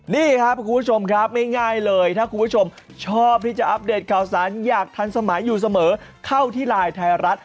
นี่ครับคุณผู้ชมครับไม่ง่ายเลยถ้าคุณผู้ชมชอบที่จะอัปเดตข่าวสารอย่างทันสมัยอยู่เสมอเข้าที่ไลน์ไทยรัฐ